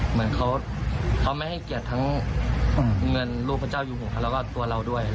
เหมือนเขาไม่ให้เกียรติทั้งเงินรูปพระเจ้าอยู่หัวเขาแล้วก็ตัวเราด้วย